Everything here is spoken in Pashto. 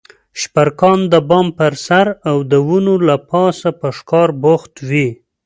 شپرکان د بام پر سر او د ونو له پاسه په ښکار بوخت وي.